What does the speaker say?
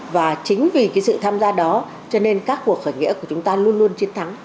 và chính vì cái sự tham gia đó cho nên các cuộc khởi nghĩa của chúng ta luôn luôn chiến thắng